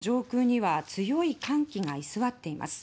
日本列島の上空には強い寒気が居座っています。